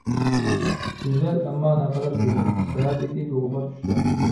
گۈزەل ئەمما نەقەدەر گۈزەل، سەھەردىكى بىغۇبار چۈشلەر.